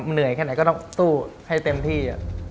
เหนื่อยแค่ไหนก็ต้องสู้ให้เต็มที่